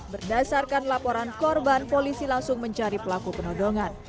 berdasarkan laporan korban polisi langsung mencari pelaku penodongan